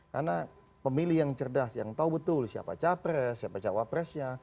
karena pemilih yang cerdas yang tahu betul siapa capres siapa jawab presnya